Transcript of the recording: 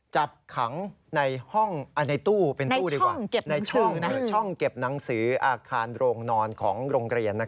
จับขังในห้องในตู้เป็นตู้ดีกว่าในช่องเก็บหนังสืออาคารโรงนอนของโรงเรียน